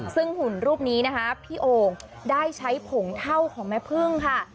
ซึ่งหุ่นรูปนี้นะคะพี่โอ่งได้ใช้ผงเท่าของแม่พึ่งค่ะ